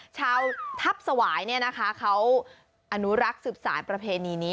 ชาวทัพสวายเขาอนุรักษ์สืบสารประเพณีนี้